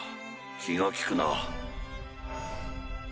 気が利くな。